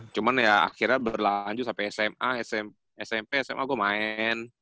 cuman ya akhirnya berlanjut sampe sma smp sma gua main